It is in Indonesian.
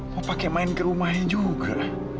mau pakai main ke rumahnya juga